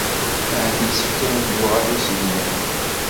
Ahat yessefk ad neddu ɣer usegnaf.